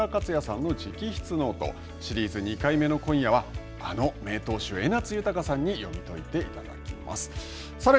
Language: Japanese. Ｆｏｃｕｓｏｎは番組が独自入手した野村克也さんの直筆ノートシリーズ２回目の今夜はあの名投手江夏豊さんに読み解いていただきます。